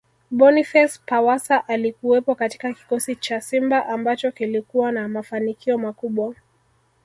Boniface Pawasa Alikuwepo katika kikosi cha Simba ambacho kilikuwa na mafanikio makubwa